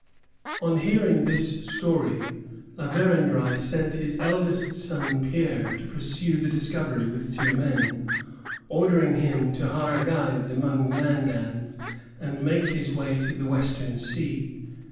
] On hearing this story, La Vérendrye sent his eldest son, Pierre, to pursue the discovery with two men, ordering him to hire guides among the Mandans and make his way to the Western Sea.